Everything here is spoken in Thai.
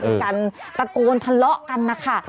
เป็นการประโกนทะเลาะกันนะคะ